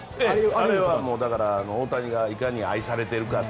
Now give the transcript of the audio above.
あれは大谷がいかに愛されているか。